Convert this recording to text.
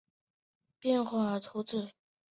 卡萨盖贝戈内人口变化图示